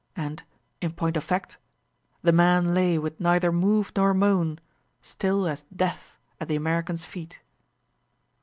And, in point of fact, the man lay with neither move nor moan, still as death at the American's feet.